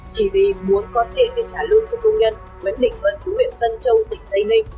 chỉ vì muốn có tiền để trả lưu cho công nhân nguyễn định vân chủ viện tân châu tỉnh tây ninh